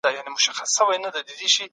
د افغانستان راتلونکی زموږ په لاس کي دی.